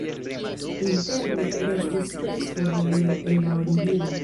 Interne restis preskaŭ nenio el la origino.